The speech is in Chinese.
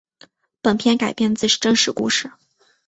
本片改编自真实故事。